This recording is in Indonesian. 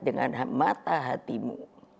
dengan mata hatimu